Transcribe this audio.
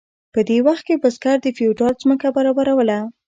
په دې وخت کې بزګر د فیوډال ځمکه برابروله.